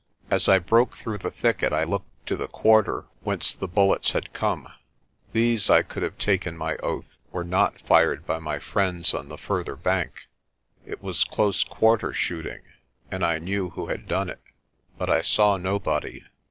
As I broke through the thicket I looked to the quarter whence the bullets had come. These, I could have taken my oath, were not fired by my friends on the further bank. It was close quarter shooting, and I knew who had done it. But I saw nobody.